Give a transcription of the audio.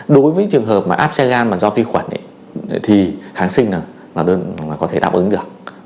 đối với trường hợp mà áp xe gan mà do vi khuẩn thì kháng sinh là có thể đáp ứng được